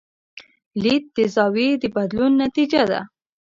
لید د زاویې د بدلون نتیجه ده.